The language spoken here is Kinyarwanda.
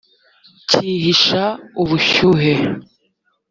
cyihisha ubushyuhe